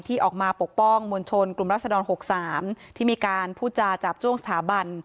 ที่ออกมาปกป้องมวลชนกลุ่มรัศดร๖๓ที่มีการพูดจาจาบจ้วงสถาบัน